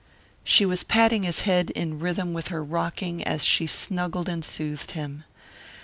She was patting his head in rhythm with her rocking as she snuggled and soothed him.